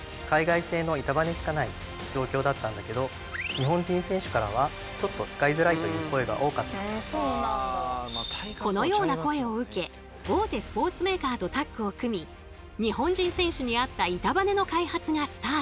日本人選手からはこのような声を受け大手スポーツメーカーとタッグを組み日本人選手に合った板バネの開発がスタート。